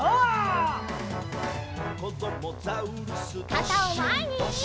かたをまえに！